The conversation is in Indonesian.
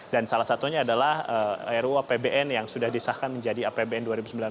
dan salah satunya adalah ru apbn yang sudah disahkan menjadi apbn dua ribu sembilan belas